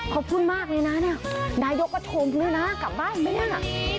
ขอบคุณมากเลยนะนายยกว่าชมด้วยนะกลับบ้านไหม